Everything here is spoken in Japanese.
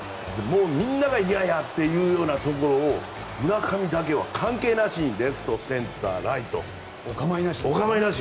もうみんなが嫌やって言うようなところを村上だけは関係なしにレフト、センター、ライトお構いなし。